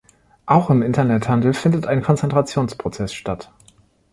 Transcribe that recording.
Auch im Internethandel findet ein Konzentrationsprozess statt.